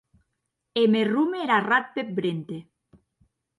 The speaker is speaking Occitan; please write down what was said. E me rome er arrat peth vrente.